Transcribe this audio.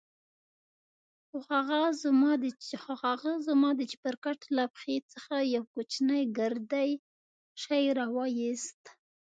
خو هغه زما د چپرکټ له پښې څخه يو کوچنى ګردى شى راوايست.